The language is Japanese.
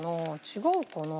違うかな？